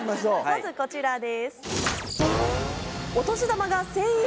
まずこちらです。